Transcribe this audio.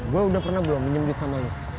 gue udah pernah belum minjem git sama lo